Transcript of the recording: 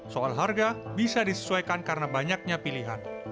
soal harga bisa disesuaikan karena banyaknya pilihan